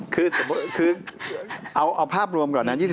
คือเอาภาพรวมก่อนนะ